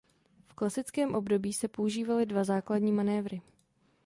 V klasickém období se používaly dva základní manévry.